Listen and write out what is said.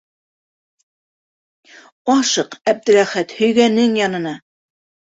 Ашыҡ, Әптеләхәт, һөйгәнең янына!